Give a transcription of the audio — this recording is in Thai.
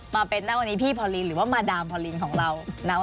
มาเป็นณวันนี้พี่พอลินหรือว่ามาดามพอลินของเรานะ